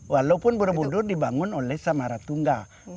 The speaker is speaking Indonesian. walaupun borobudur dibangun oleh samaratungga